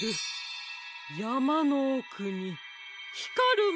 やまのおくにひかるものが。